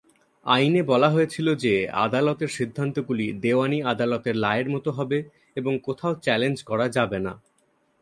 আইনে বলা হয়েছিল যে আদালতের সিদ্ধান্তগুলি দেওয়ানি আদালতের রায়ের মতো হবে এবং কোথাও চ্যালেঞ্জ করা যাবে না।